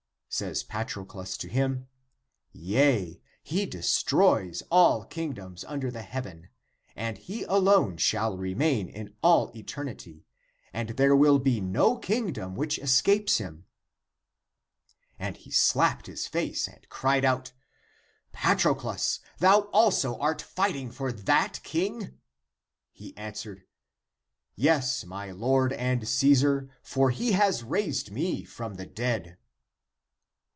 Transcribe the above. " Says Patroclus to him, " Yea, he destroys all kingdoms under the heaven, and he alone shall remain in all eternity, and there will be no kingdom which escapes him." And he slapped his face, and cried out, " Pa troclus, thou also art fighting for that king? " He answered, " Yes, my lord and Caesar, for he has raised me from the dead."